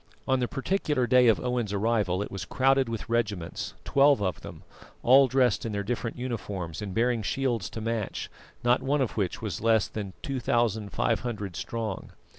On the particular day of Owen's arrival it was crowded with regiments, twelve of them, all dressed in their different uniforms and bearing shields to match, not one of which was less than 2500 strong.